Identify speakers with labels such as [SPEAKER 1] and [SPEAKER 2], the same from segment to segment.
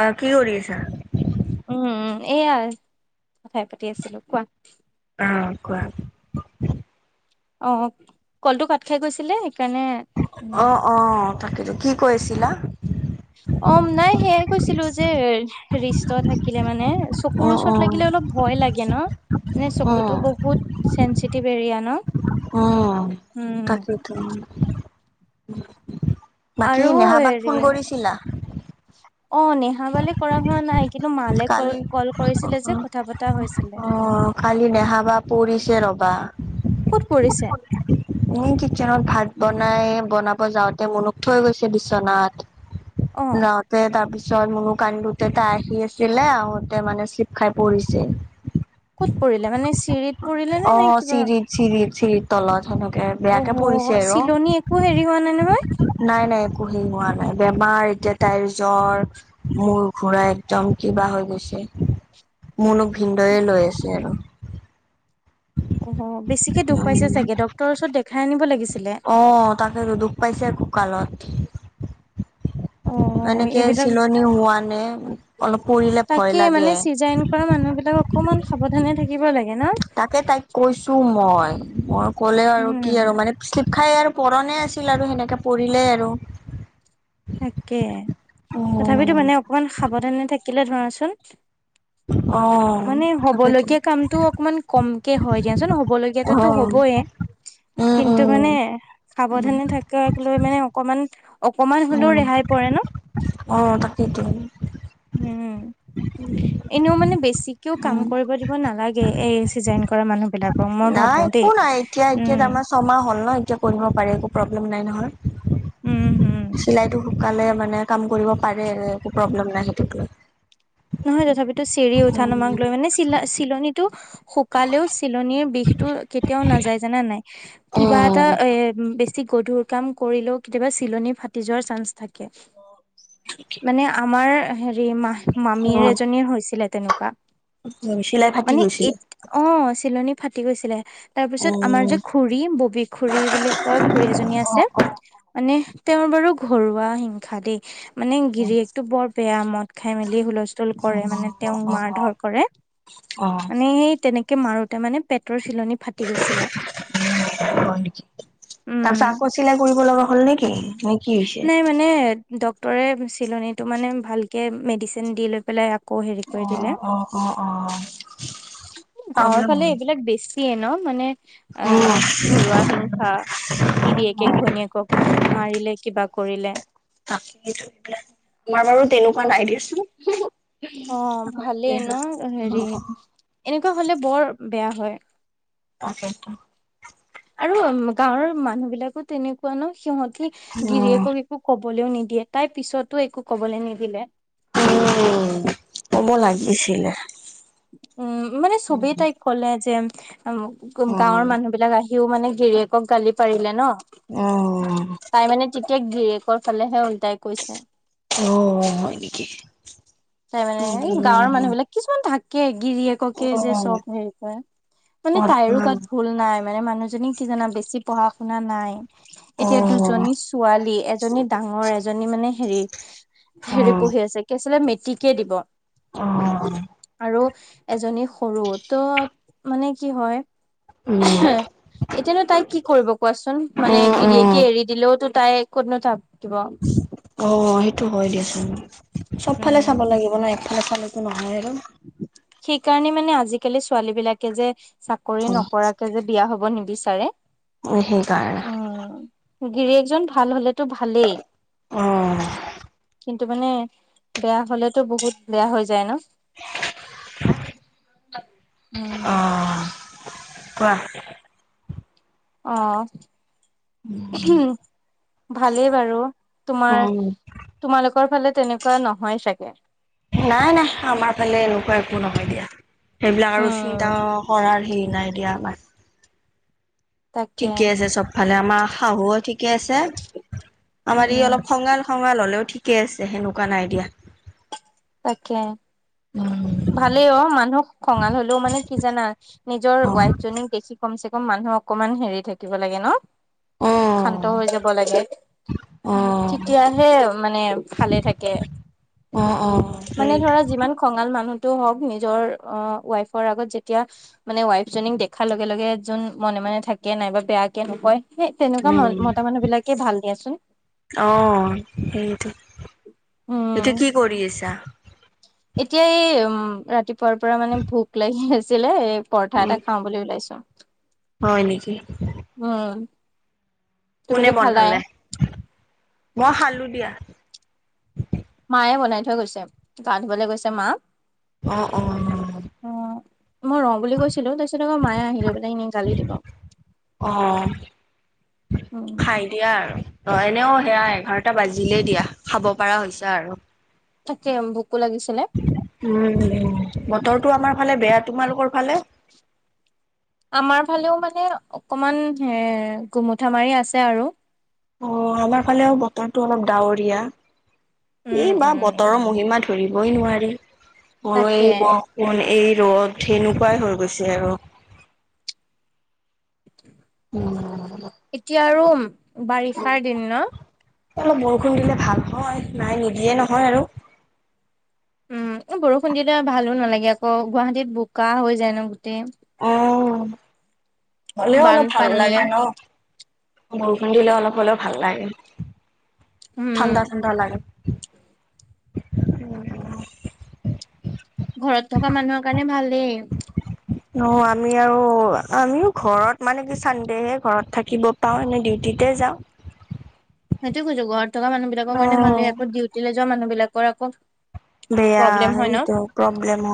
[SPEAKER 1] আহ' কি কৰি আছা?
[SPEAKER 2] উম, উম, এয়াই কথাই পাতি আছিলোঁ। কোৱা?
[SPEAKER 1] অ' কোৱা?
[SPEAKER 2] অ' কলটো কাট খাই গৈছিলে সেইকাৰণে উম
[SPEAKER 1] অ', অ' তাকেতো কি আছিলা?
[SPEAKER 2] অম নাই সেইয়াই কৈছিলোঁ যে ৰিষ্ট থাকিলে মানে চকুৰ ওচৰত
[SPEAKER 1] উম
[SPEAKER 2] লাগিলে অলপ ভয় লাগে ন, মানে চকুতো বহুত চেঞ্চিটিভ এৰিয়া ন?
[SPEAKER 1] অ'
[SPEAKER 2] উম
[SPEAKER 1] তাকেইটো। বাকী
[SPEAKER 2] আৰু
[SPEAKER 1] নেহা বাক
[SPEAKER 2] হেৰি
[SPEAKER 1] ফোন কৰিছিলা?
[SPEAKER 2] অ' নেহাবালৈ ফোন কৰা হোৱা নাই, কিন্তু মালৈ ক
[SPEAKER 1] কালি
[SPEAKER 2] কল
[SPEAKER 1] অ
[SPEAKER 2] কৰিছিলে যে কথা পতা হৈছিলে।
[SPEAKER 1] অ কালি নেহাবা পৰিছে ৰ'বা।
[SPEAKER 2] ক'ত পৰিছে?
[SPEAKER 1] [unintelligible] তুমি কিটচেনত ভাত বনাই বনাব যাওঁতে মনুক থৈ গৈছে বিচনাত।
[SPEAKER 2] অ
[SPEAKER 1] লওঁতে তাৰ পিছত মনু কান্দোতে তাই আহি আছে। ছিলে আহোতে মানে চিলিপ খাই পৰিছে।
[SPEAKER 2] ক'ত পৰিলে মানে চিৰিত পৰিলে নে নে
[SPEAKER 1] অ'
[SPEAKER 2] কিবা
[SPEAKER 1] চিৰিত চিৰিত চিৰিত তলত সেনেকে
[SPEAKER 2] অ'
[SPEAKER 1] বেয়াকে পৰিছে
[SPEAKER 2] হ'
[SPEAKER 1] আৰু
[SPEAKER 2] চিলনীত একো হেৰি হোৱা নাই নহয়?
[SPEAKER 1] নাই, নাই একো হেৰি হোৱা নাই। বেমাৰ এতিয়া তাইৰ জ্বৰ মূৰ ঘূৰাই একদম কিবা হৈ গৈছে। মুনুক ভিনদেউয়ে লৈ আছে আৰু।
[SPEAKER 2] অ' বেছিকে দুখ পাইছে চাগে, ডক্তৰৰ ওচৰত দেখাই আনিব লাগিছিলে।
[SPEAKER 1] অ' তাকেতো দুখ পাইছে ককালত।
[SPEAKER 2] অ
[SPEAKER 1] এনেকে
[SPEAKER 2] এইবিলাক
[SPEAKER 1] চিলনি হোৱা নে, অলপ পৰিলে ভয় লাগে।
[SPEAKER 2] ঘৰৰ মানুহ বিলাক অকমান সাৱধানে থাকিব লাগে ন?
[SPEAKER 1] তাকে তাইক কৈছো মই, মই ক'লে আৰু কি
[SPEAKER 2] উম
[SPEAKER 1] আৰু মানে শ্লিপ খাই আৰু পৰণেই আছিল আৰু সেনেকে পৰিলেই আৰু।
[SPEAKER 2] তাকে, তথাপিতো
[SPEAKER 1] উম
[SPEAKER 2] মানে অকমান সাৱধানে থাকিলে ধৰাচোন
[SPEAKER 1] অ
[SPEAKER 2] মানে
[SPEAKER 1] তাকেইতো
[SPEAKER 2] হ'বলগীয়া কামটো অকমান কম কে হয় দিয়াচোন,
[SPEAKER 1] অ
[SPEAKER 2] হ'বলগীয়াটোতো হ'বয়ে।
[SPEAKER 1] উম
[SPEAKER 2] কিন্তু
[SPEAKER 1] উম
[SPEAKER 2] মানে
[SPEAKER 1] উম
[SPEAKER 2] সাৱধানে থাকাক লৈ মানে অকমান অকমান হ'লেও
[SPEAKER 1] উম
[SPEAKER 2] ৰেহাই পৰে ন?
[SPEAKER 1] অ তাকেইতো
[SPEAKER 2] উম। এনেও মানে বেছিকেও কাম
[SPEAKER 1] উম
[SPEAKER 2] কৰিব দিব নালাগে এই চিজাৰিন কৰা মানুহ সেইবিলাকক মই
[SPEAKER 1] নাই
[SPEAKER 2] ভাবো
[SPEAKER 1] একো
[SPEAKER 2] দেই
[SPEAKER 1] নাই এতিয়া এতিয়া
[SPEAKER 2] উম।
[SPEAKER 1] তাৰমানে ছমাহ হ'ল ন? এতিয়া কৰিব পাৰে একো প্ৰব্লেম নাই নহয়।
[SPEAKER 2] উম, হুম।
[SPEAKER 1] সুকালে মানে কাম কৰিব পাৰে একো প্ৰব্লেম নাই সেইটোক লৈ।
[SPEAKER 2] নহয় তথাপিতো চিৰি উঠা নমাক লৈ মানে চিলা চিলনীটো শুকালেও চিলনীৰ বিষটো কেতিয়াও নাযায় জানানে নাই? কিবা এটা
[SPEAKER 1] উম।
[SPEAKER 2] এ বেছি গধুৰ কাম কৰিলেও কেতিয়াবা চিলনি ফাটি যোৱাৰ চান্স থাকে।
[SPEAKER 1] [unintelligible]
[SPEAKER 2] মানে আমাৰ হেৰি মা মামীৰ এজনীৰ হৈছিলে তেনেকুৱা।
[SPEAKER 1] চিলাই ফাটি
[SPEAKER 2] মানে এ
[SPEAKER 1] গৈছিলে?
[SPEAKER 2] অ' চিলনী ফাটি গৈছিলে। তাৰ পিছত আমাৰ
[SPEAKER 1] উম,
[SPEAKER 2] যে খুৰী ববী খুৰী বুলি কোৱা খুৰী এজনী আছে। মানে তেওঁৰ বাৰু ঘৰুৱা হিংসা দেই, মানে
[SPEAKER 1] অ'
[SPEAKER 2] গিৰিকটো বৰ বেয়া মদ খাই মেলি হুলস্থুল কৰে মানে তেওঁক মাৰ ধৰ কৰে। মানে সেই তেনে মাৰোতে মানে পেটৰ চিলনী ফাটি গৈছিলে
[SPEAKER 1] হয় নেকি? তাৰ পিছত
[SPEAKER 2] উম।
[SPEAKER 1] আকৌ চিলাই কৰিব লগা হ'ল নেকি? নে কি হৈছে?
[SPEAKER 2] নে ডক্টৰে চিলনিত মানে ভালকে মেডিচিন দি লয় পালে আকৌ হেৰি কৰি দিলে,
[SPEAKER 1] অ', অ', অ', অ'।
[SPEAKER 2] গাঁৱৰ
[SPEAKER 1] প্ৰব্লেম
[SPEAKER 2] ফালে
[SPEAKER 1] হয়
[SPEAKER 2] এইবিলাক বেছি দিয়ে ন মানে অ
[SPEAKER 1] উম,
[SPEAKER 2] ঘৰুৱা হিংসা গিৰিয়েকে ঘৈণীয়েকক মাৰিলে কিবা কৰিলে।
[SPEAKER 1] [unintelligible] তোমাৰ বাৰু তেনেকুৱা নাই দিয়াচোন।
[SPEAKER 2] অ ভালেই ন হেৰি এনেকুৱা হ'লে বৰ বেয়া হয়।
[SPEAKER 1] তাকেইটো।
[SPEAKER 2] আৰু গাঁৱৰ মানুহ বিলাকো তেনেকুৱা ন সিহঁতি
[SPEAKER 1] উম।
[SPEAKER 2] গিৰিয়েক একো ক'বলৈও নিদিয়ে, তাই পিছতো একো কবলৈ নিদিলে।
[SPEAKER 1] উম কব লাগিছিলে।
[SPEAKER 2] উম মানে চবেই তাইক কলে যে, গাঁৱৰ
[SPEAKER 1] উম,
[SPEAKER 2] মানুহ বিলাক আহি আহিয়েও মানে গিৰিয়েকক গালি পাৰিলে ন,
[SPEAKER 1] অ',
[SPEAKER 2] তাই মানে তেতিয়া গিৰীয়েকৰ ফালেহে উওল্টাই কৈছে।
[SPEAKER 1] অ হয় নেকি?
[SPEAKER 2] তাই মানে এই
[SPEAKER 1] উম।
[SPEAKER 2] গাঁৱৰ মানুহ বিলাক কিছুমান থাকে গিৰিয়েককে যে
[SPEAKER 1] উম,
[SPEAKER 2] চব হেৰি কৰে, মানে তাইৰো
[SPEAKER 1] উম,
[SPEAKER 2] গাত ভুল নাই মানে মানুহজনী কি জানা, বেছি পঢ়া শুনা নাই। এতিয়া
[SPEAKER 1] উম,
[SPEAKER 2] দুজনী ছোৱালী, এজনী ডাঙৰ এজনী মানে হেৰি হেৰি পঢ়ি আছে কি আছিলে মেটিকে দিব।
[SPEAKER 1] অ।
[SPEAKER 2] আৰু এজনী সৰু তো মানে কি হয় এতিয়ানো তাই কি কৰিব কোৱাচোন মানে গিৰিয়েকে এৰি দিলেওতো তাই ক'তনো থাপ দিব।
[SPEAKER 1] অ সেইটো হয় দিয়াছোন, চবফালে চাব
[SPEAKER 2] উম।
[SPEAKER 1] লাগিব ন একফালে চালতো নহয় আৰু।
[SPEAKER 2] সেইকাৰনে মানে আজিকালি ছোৱালী বিলাকে যে চাকৰি
[SPEAKER 1] অ',
[SPEAKER 2] নকৰাকে যে বিয়া হব নিবিচাৰে
[SPEAKER 1] উম সেইকাৰণে।
[SPEAKER 2] উ গিৰিয়েকজন ভাল হলেতো ভালেই।
[SPEAKER 1] অ।
[SPEAKER 2] কিন্তু মানে বেয়া হ'লেতো বহুত বেয়া হৈ যায় ন। [unintelligible] উম।
[SPEAKER 1] অ কোৱা।
[SPEAKER 2] অ। ভালেই বাৰু তোমাৰ
[SPEAKER 1] উম,
[SPEAKER 2] তোমালোকৰ ফালে তেনেকুৱা নহয় চাগে।
[SPEAKER 1] নাই নাই আমাৰ ফালে এনেকুৱা একো নহয় দিয়া। সেইবিলাক আৰু চিন্তা
[SPEAKER 2] উম।
[SPEAKER 1] কৰাৰ হেৰি নাই দিয়া আমাৰ।
[SPEAKER 2] তাকে
[SPEAKER 1] ঠিকে আছে চবফালে। আমাৰ শাহুও ঠিকে আছে, আমাৰ ই
[SPEAKER 2] উম।
[SPEAKER 1] অলপ খঙাল খঙাল হ'লেও ঠিকে আছে। হেনেকুৱা নাই দিয়া।
[SPEAKER 2] তাকে।
[SPEAKER 1] উম।
[SPEAKER 2] ভালেই অ মানুহক খঙাল হ'লেও মানে কি জানা, নিজৰ
[SPEAKER 1] অ
[SPEAKER 2] ৱাইফ জনীক দেখি কম চে কম মানুহ অকমান হেৰি থাকিব লাগে ন, শান্ত হৈ যাব লাগে।
[SPEAKER 1] অ অ
[SPEAKER 2] তেতিয়াহে মানে ভালে থাকে।
[SPEAKER 1] অ অ
[SPEAKER 2] মানে
[SPEAKER 1] উম!
[SPEAKER 2] ধৰা যিমান খঙাল মানুহতটো হওক নিজৰ ৱাইফৰ আগত যেতিয়া মানে ৱাইফ জনীক দেখাৰ লগে লগে যোন মনে মনে থাকে নাইবা বেয়াকে নকয় সেই তেনেকুৱা ম
[SPEAKER 1] উম
[SPEAKER 2] মতা মানুহ বিলাকে ভাল দিয়াচোন
[SPEAKER 1] অ সেইটো
[SPEAKER 2] উম
[SPEAKER 1] এতিয়া কি কৰি আছা?
[SPEAKER 2] এতিয়া এই উম ৰাতিপুৱাৰ পৰা মানে ভোক লাগি আছিলে এই পৰঠা
[SPEAKER 1] উম
[SPEAKER 2] এটা খাওঁ বুলি ওলাইছো।
[SPEAKER 1] হয় নেকি?
[SPEAKER 2] উম।
[SPEAKER 1] কোনে
[SPEAKER 2] তুমিতো খালাই
[SPEAKER 1] বনালে? মই খালো দিয়া।
[SPEAKER 2] মায়ে বনাই থৈ গৈছে। গা ধুবলৈ গৈছে মা।
[SPEAKER 1] অ অ অ।
[SPEAKER 2] অ মই ৰ বুলি কৈছিলো, তাৰপিছত আকৌ মায়ে আহিলৈ পেলাই এনে গালি দিব।
[SPEAKER 1] অ
[SPEAKER 2] উম
[SPEAKER 1] খাই দিয়া আৰু অ এনেও সেয়া এঘাৰটা বাজিলেই দিয়া খাব পৰা হৈছা আৰু
[SPEAKER 2] তাকে ভোকো লাগিছিলে।
[SPEAKER 1] উম বতৰটো আমাৰ ফালে বেয়া তোমালোকৰ ফালে?
[SPEAKER 2] আমাৰ ফালেও মানে অকমান গুমুঠা মাৰি আছে আৰু
[SPEAKER 1] অ আমাৰ ফালেও বতৰটো অলপ ডাৱৰীয়া
[SPEAKER 2] উম
[SPEAKER 1] এই বা
[SPEAKER 2] উম
[SPEAKER 1] বৰ্তৰ মহিমা ধ ধৰিবই নোৱাৰি [unintelligible] এই ব
[SPEAKER 2] তাকে
[SPEAKER 1] এই বৰষুণ এই ৰ'দ সেনেকুৱাই হৈ গৈছে আৰু উম
[SPEAKER 2] এতিয়া আৰু বাৰিষাৰ দিন ন
[SPEAKER 1] অলপ বৰষুণ দিলে ভাল হয় নাই নিদিয়ে নহয় আৰু
[SPEAKER 2] উম বৰষুণ দিলে ভালো নালাগে আকৌ গুৱাহাটীত বোকা হৈ যায় ন গোটেই
[SPEAKER 1] অ হ'লেও অলপ ভাল
[SPEAKER 2] বানপানী
[SPEAKER 1] লাগে ন বৰষুণ দিলে অলপ হ'লেও ভাল লাগে।
[SPEAKER 2] উম
[SPEAKER 1] ঠাণ্ডা ঠাণ্ডা লাগে।
[SPEAKER 2] ঘৰত থকা মানুহৰ কাৰণে ভালেই
[SPEAKER 1] অ আমি আৰু আমিও ঘৰত মানে কি চানদেহে ঘৰত থাকিব পাও এনে ডিউটিতে যাওঁ
[SPEAKER 2] সেইটো কৈছো ঘৰত থকা মানুহ বিলাকৰ
[SPEAKER 1] অ
[SPEAKER 2] কাৰণে ভালেই আকৌ ডিউটিলে যোৱা মানুহ বিলাকৰ আকৌ
[SPEAKER 1] বেয়া
[SPEAKER 2] প্ৰব্লেম হয় ন
[SPEAKER 1] সেইটো প্ৰব্লেম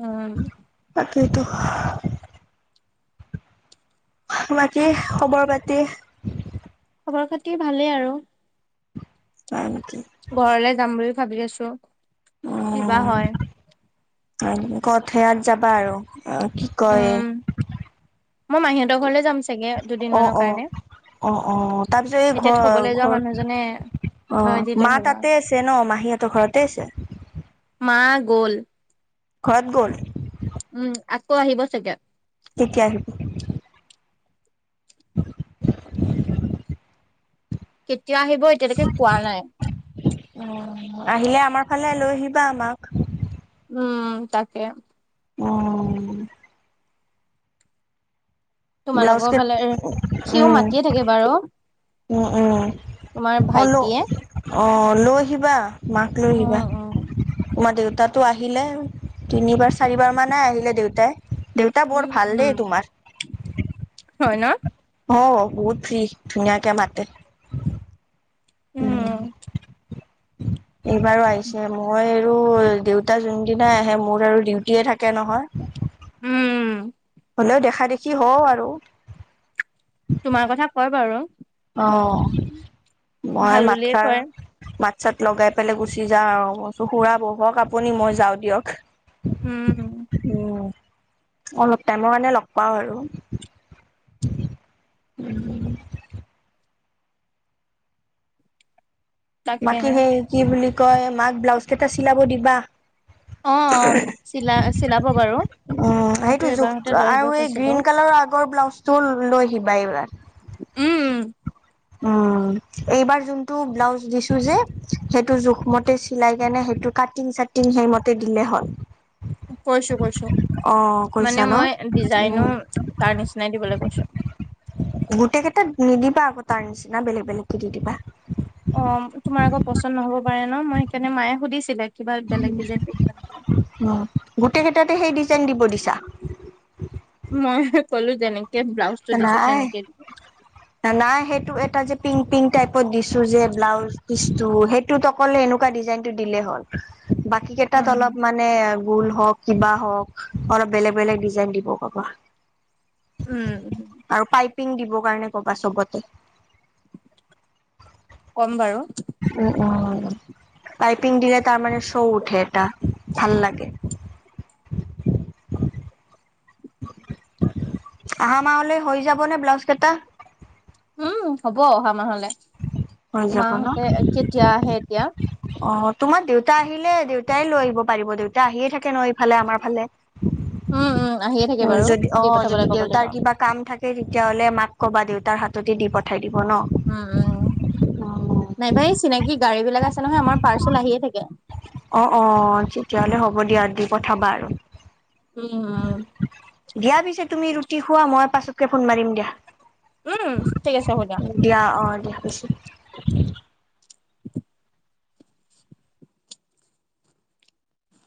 [SPEAKER 2] উম
[SPEAKER 1] তাকেটো বাকী খবৰ পাতি?
[SPEAKER 2] খবৰ খাতি ভালেই আৰু।
[SPEAKER 1] হয় নেকি।
[SPEAKER 2] ঘৰলে যাম বুলি ভাবি আছো। কি বা হয়?
[SPEAKER 1] কোথিয়াত যাবা আৰু কি কয়
[SPEAKER 2] উম মই মাহীহঁতৰ ঘৰলে যাম চাগে দুদিন
[SPEAKER 1] অ
[SPEAKER 2] মানৰ
[SPEAKER 1] অ
[SPEAKER 2] কাৰণে
[SPEAKER 1] অ অ তাৰপিছত এই
[SPEAKER 2] এতিয়া
[SPEAKER 1] ঘৰ
[SPEAKER 2] থবলৈ যোৱা মানুহজনে
[SPEAKER 1] ঘৰ অ
[SPEAKER 2] থৈ দিলে
[SPEAKER 1] মা
[SPEAKER 2] হ'ল আৰু
[SPEAKER 1] তাতে আছে ন মাহীহঁতৰ ঘৰতে আছে।
[SPEAKER 2] মা গ'ল।
[SPEAKER 1] ঘৰত গ'ল
[SPEAKER 2] উম আকৌ আহিব চাগে
[SPEAKER 1] কেতিয়া আহিব [unintelligible]
[SPEAKER 2] কেতিয়া আহিব এতিয়ালৈকে কোৱা নাই
[SPEAKER 1] অ আহিলে আমাৰ ফালে লৈ আহিবা মাক
[SPEAKER 2] উম তাকে
[SPEAKER 1] অ ব্লাউজ
[SPEAKER 2] তোমালোকৰ
[SPEAKER 1] কেই
[SPEAKER 2] ফালে সিও মাতিয়ে থাকে বাৰু
[SPEAKER 1] উ উম
[SPEAKER 2] তোমাৰ
[SPEAKER 1] অ ল
[SPEAKER 2] ভাইটিয়ে
[SPEAKER 1] অ লৈ আহিবা মাক লৈ আহিবা
[SPEAKER 2] উম উম
[SPEAKER 1] তোমাৰ দেউতাতো আহিলে তিনিবাৰ চাৰিবাৰ মানে আহিলে দেউতাই দেউতা বৰ
[SPEAKER 2] উম
[SPEAKER 1] ভাল দেই
[SPEAKER 2] উম
[SPEAKER 1] তোমাৰ
[SPEAKER 2] হয় ন
[SPEAKER 1] অ বহুত ফ্ৰ্ৰী ধুনীয়াকে মাতে
[SPEAKER 2] উম
[SPEAKER 1] উম [inaudible] এইবাৰো আহিছে মই আৰু দেউতা যোনদিনাই আহে মোৰ আৰু ডিউটিয়ে থাকে নহয়
[SPEAKER 2] উম
[SPEAKER 1] হ'লেও দেখা দেখি হওঁ আৰু
[SPEAKER 2] তোমাৰ কথা কয় বাৰু
[SPEAKER 1] অ মই
[SPEAKER 2] ভাল
[SPEAKER 1] মাত
[SPEAKER 2] বুলিয়ে
[SPEAKER 1] খাৰ
[SPEAKER 2] কয়
[SPEAKER 1] মাত চাত লগাই পেলাই গুচি যাওঁ মই কচু বোলো খুৰা ব'হক আপুনি ম'ই যাওঁ দিয়ক।
[SPEAKER 2] উম।
[SPEAKER 1] উম, ' অলপ টাইমৰ কাৰনে লগ পাওঁ আৰু। উ। বাকী
[SPEAKER 2] তাকেহে
[SPEAKER 1] সে'ই কি বুলি কয় মাক ব্লাউজ কেইটা চিলাব দিবা।
[SPEAKER 2] অ, অম চিলা চিলাব বাৰু।
[SPEAKER 1] উম, '
[SPEAKER 2] মইতো
[SPEAKER 1] সেইটো জোখ
[SPEAKER 2] এবাৰতে লৈ আহিব
[SPEAKER 1] আৰু এই
[SPEAKER 2] কৈছিলো
[SPEAKER 1] গ্ৰীণ কালাৰৰ আগৰ ব্লাউজ টো লৈ আহিবা এইবাৰ।
[SPEAKER 2] উ উম।
[SPEAKER 1] উম, 'এইবাৰ যোনটো ব্লাউজ দিছো যে সেইটো, জোখমতে চিলাই কেনে সেইটো কাট টিং- ছাটিং সেই মতে দিলে হ'ল।
[SPEAKER 2] কৈছো- কৈছো
[SPEAKER 1] অ',
[SPEAKER 2] মানে
[SPEAKER 1] কৈছা ন?
[SPEAKER 2] মই,
[SPEAKER 1] উম,
[SPEAKER 2] ডিজাইনো তাৰ নিচিনাই দিবলে কৈছো।
[SPEAKER 1] গোটেই কেইটাত নিদিবা আকৌ তাৰ নিচিনা বেলেগ বেলেগকে দি দিবা।
[SPEAKER 2] অহ, 'তোমাৰ আকৌ পচন্দ নহব পাৰে ন ম'ই সেইকাৰনে মায়ে সুধিছিলে কিবা বেলেগ ডিজাইন দিব নে?
[SPEAKER 1] অ, 'গোটেই কেটাতে সে'ই ডিজাইন দিব দিছা।
[SPEAKER 2] ম'ইহ ক'লো যেনেকে ব্লাউছ
[SPEAKER 1] নাই। নাই সেইটো, এটা যে পিংক- পিংক টাইপত দিছো যে ব্লাউজ পিছটো সেইত টোত অকল এনেকোৱা ডিজাইন টো দিলে হ'ল বাকি কেতাত
[SPEAKER 2] উম
[SPEAKER 1] অলপ মানে ভুল হওক কিবা হওক অলপ বেলেগ- বেলেগ ডিজাইন দিব কবা।
[SPEAKER 2] উ, উম।
[SPEAKER 1] আৰু, পাইপিং দিবৰ কাৰণে কবা চবতে।
[SPEAKER 2] ক'ম বাৰু।
[SPEAKER 1] উম, 'উম পাইপিং দিলে তাৰ মানে শৌ উঠে এটা ভাল লাগে। আহা মাহলে হৈ যাব নে ব্লাউজ কেইটা?
[SPEAKER 2] উম, ' হব অহা মাহলে
[SPEAKER 1] হৈ যাব ন
[SPEAKER 2] মাহতে এ কেতিয়া আহে এতিয়া?
[SPEAKER 1] অ, 'তোমাৰ দেউতা আহিলে দেউতাই লৈ আহিব পাৰিব দেউতা আহিয়ে থাকে ন এইফালে আমাৰ ফালে।
[SPEAKER 2] উম উম আহিয়ে থাকে
[SPEAKER 1] হ'য়
[SPEAKER 2] বাৰু
[SPEAKER 1] য'দি
[SPEAKER 2] দি
[SPEAKER 1] অঁহ যদি
[SPEAKER 2] পঠাবলৈ ক'ব লাগিব
[SPEAKER 1] দেউতাৰ কিবা কাম থাকে তেতিয়াহ'লে মাক ক'বা, দেউতাৰ হাততে দি পঠাই দিব ন।
[SPEAKER 2] উম উম, নাইবা এই চিনাকি গাড়ী বিলাক আছে নহয় আমাৰ পাৰ্চেল আহিয়ে থাকে
[SPEAKER 1] অঁ অঁ, তেতিয়া হ'লে হ'ব দিয়া দি পঠাবা আৰু।
[SPEAKER 2] উম।
[SPEAKER 1] দিয়া পিছে তুমি ৰুটি খোৱা ম'ই পাছতকে ফোন মাৰিম দিয়া।
[SPEAKER 2] উম উম ঠিক আছে হ'ব
[SPEAKER 1] দিয়া অঁ দিয়া ৰাখিছোঁ।